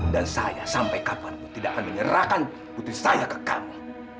dan saya sampai kapanpun tidak akan menyerahkan putri saya ke kamu